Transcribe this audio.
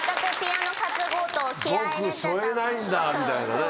僕背負えないんだみたいなね。